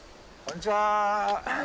こんにちは。